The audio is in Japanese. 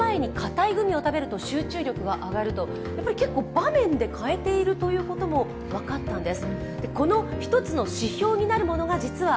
場面で変えているということも分かったんです。